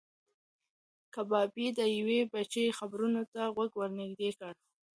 کبابي د یوې بجې خبرونو ته خپل غوږ نږدې کړ.